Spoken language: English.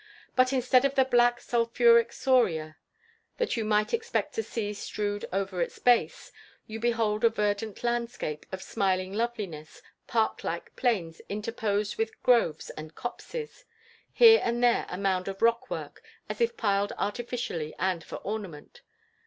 But instead of the black sulphuric scoria, that you might expect to see strewed over its base, you behold a verdant landscape of smiling loveliness, park like plains interposed with groves and copses, here and there a mound of rock work, as if piled artificially and for ornament.